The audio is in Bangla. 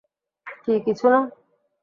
কি কিছু না?